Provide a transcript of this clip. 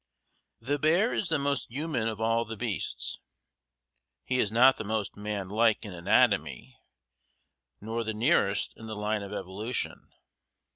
The bear is the most human of all the beasts. He is not the most man like in anatomy, nor the nearest in the line of evolution.